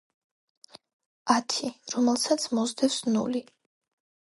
ათი, რომელსაც მოსდევს ნული.